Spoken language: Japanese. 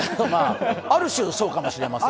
ある種そうかもしれません。